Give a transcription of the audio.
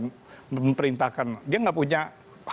dia gak punya hati juga untuk